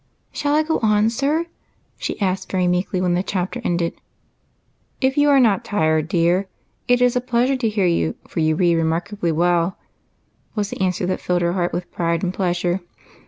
"Shall I go on, sir?" she asked very meekly when the chapter ended. "If you are not tired, dear. It is a pleasure to hear you, for you read remarkably well," was the an swer that filled her heart with pride and pleasure.